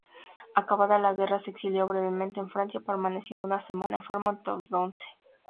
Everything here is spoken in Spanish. Acabada la guerra, se exilió brevemente en Francia, permaneciendo una semana enfermo en Toulouse.